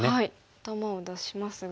頭を出しますが。